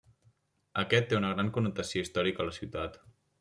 Aquest té una gran connotació històrica a la ciutat.